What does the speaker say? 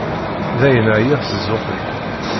Dayen, ɛyiɣ si zzux-ik.